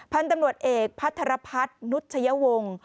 พันธุ์ตำรวจเอกพัฒนภัทรพัฒนุษยะวง